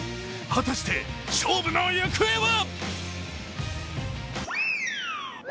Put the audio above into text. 果たして勝負の行方は？